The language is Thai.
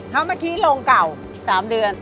เพราะเมื่อกี้โรงเก่า๓เดือน